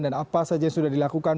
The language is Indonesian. dan apa saja yang sudah dilakukan